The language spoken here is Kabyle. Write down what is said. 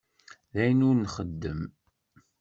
D ayen ur nxeddem.